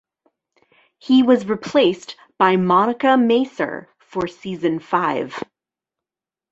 He was replaced by Monica Macer for season five.